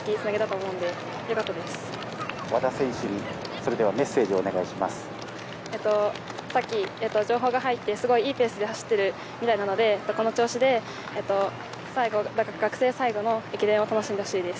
さっき、情報が入ってすごいペースで走っているみたいなのでこの調子で学生最後の駅伝を楽しんでほしいです。